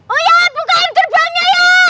oh iya bukaan kerbangnya ya